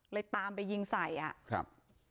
เลยตามไปยิงใส่ครับ